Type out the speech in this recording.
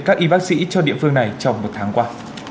các y bác sĩ cho địa phương này trong một tháng qua